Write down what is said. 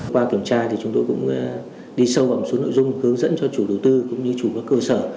qua kiểm tra thì chúng tôi cũng đi sâu vào một số nội dung hướng dẫn cho chủ đầu tư cũng như chủ các cơ sở